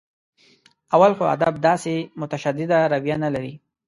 اول خو ادب داسې متشدده رویه نه لري.